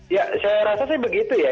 ya saya rasa sih begitu ya